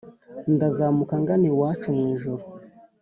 Ndazamuka ngana iwacu mw’ijuru